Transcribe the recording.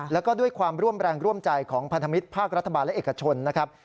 แล้วก็ด้วยความร่วมแรงร่วมใจของพันธมิตรภาครัฐบาลและเอกชนนะครับ